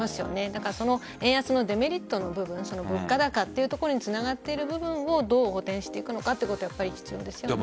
だから円安のデメリットの部分物価高というところにつながってる部分をどう補填していくのかということは必要ですよね。